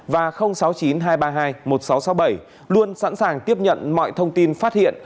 và sáu mươi chín hai trăm ba mươi hai một nghìn sáu trăm sáu mươi bảy luôn sẵn sàng tiếp nhận mọi thông tin phát hiện